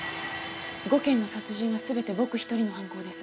「５件の殺人はすべて僕ひとりの犯行です」